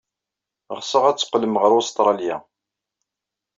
Ɣseɣ ad teqqlem ɣer Ustṛalya.